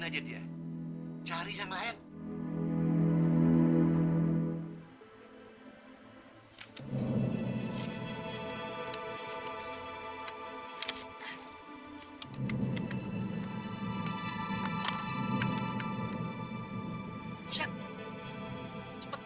nah ini dia nih engkau nggak demen